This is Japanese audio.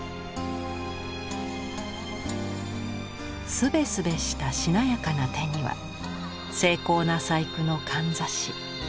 すべすべしたしなやかな手には精巧な細工のかんざし。